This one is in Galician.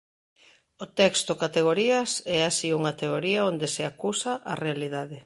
O texto "Categorías" é así unha teoría onde se "acusa" a realidade.